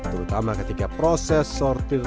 terutama ketika proses sortir